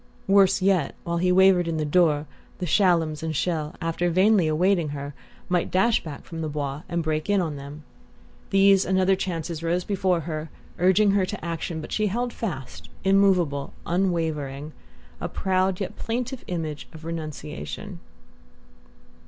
Worse yet, while he wavered in the doorway the Shallums and Chelles, after vainly awaiting her, might dash back from the Bois and break in on them. These and other chances rose before her, urging her to action; but she held fast, immovable, unwavering, a proud yet plaintive image of renunciation.